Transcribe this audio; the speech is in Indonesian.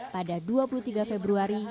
pada dua puluh tiga februari dua ribu tujuh belas